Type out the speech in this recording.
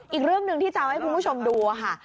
อีกเรื่องหนึ่งที่จะเอาให้คุณผู้ชมดูค่ะ